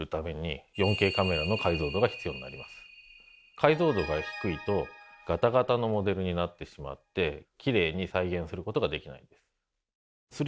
解像度が低いとガタガタのモデルになってしまってきれいに再現することができないんです。